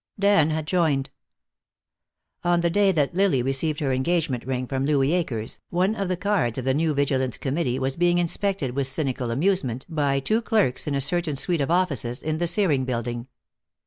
Dan had joined. On the day that Lily received her engagement ring from Louis Akers, one of the cards of the new Vigilance Committee was being inspected with cynical amusement by two clerks in a certain suite of offices in the Searing Building.